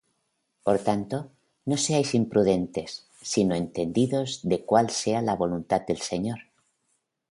Por tanto, no seáis imprudentes, sino entendidos de cuál sea la voluntad del Señor.